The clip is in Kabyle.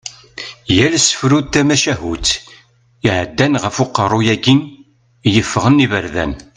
Yal asefru d tamacahutt iɛeddan ɣef uqerru-yagi yeffɣen iberdan.